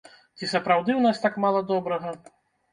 Ці сапраўды ў нас так мала добрага?